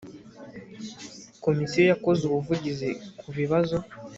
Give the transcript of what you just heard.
komisiyo yakoze ubuvugizi ku bibazo